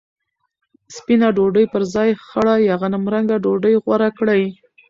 سپینه ډوډۍ پر ځای خړه یا غنمرنګه ډوډۍ غوره کړئ.